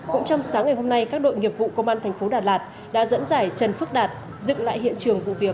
cũng trong sáng ngày hôm nay các đội nghiệp vụ công an thành phố đà lạt đã dẫn giải trần phước đạt dựng lại hiện trường vụ việc